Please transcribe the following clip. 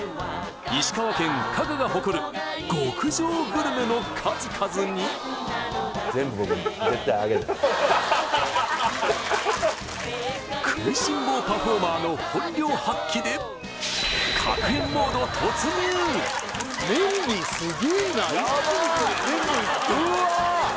石川県加賀が誇る極上グルメの数々に食いしん坊パフォーマーの本領発揮で確変モード突入うわーっ！